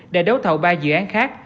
để đấu thầu ba dự án khác